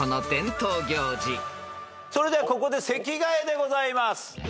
それではここで席替えでございます。